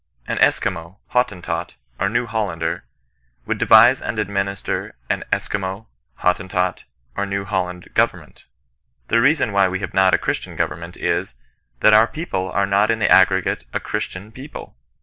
An Esquimaux, Hottentot, or New Hollander, would devise and administer an Esquimaux, Hottentot or New Hol land government. The reason why we have not a Christian govefnment is, that our people are not in the t^ggreghiQ a Christian people.